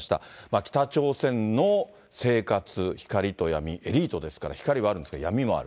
北朝鮮の生活、光と闇、エリートですから、光はあるんですけど、闇もある。